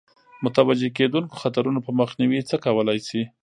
متوجه کېدونکو خطرونو په مخنیوي څه کولای شي.